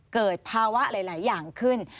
เกิดภาวะหลายอย่างขึ้น